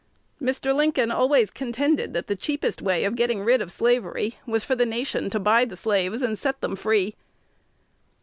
Mr. Lincoln always contended that the cheapest way of getting rid of slavery was for the nation to buy the slaves, and set them free."